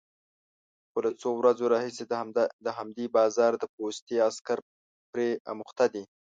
خو له څو ورځو راهيسې د همدې بازار د پوستې عسکر پرې اموخته دي،